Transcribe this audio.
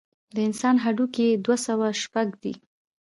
د انسان هډوکي دوه سوه شپږ دي.